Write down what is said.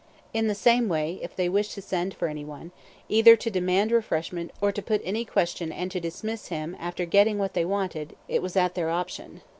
In the same way, if they wished to send for any one, either to demand refreshment, or to put any question and to dismiss him after getting what they wanted, it was at their option.